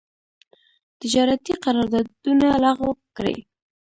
تجارتي قرارداونه لغو کړي.